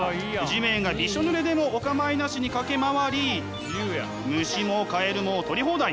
地面がびしょぬれでもお構いなしに駆け回り虫もカエルも捕り放題。